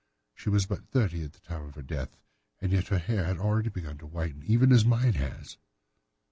She was but thirty at the time of her death, and yet her hair had already begun to whiten, even as mine has."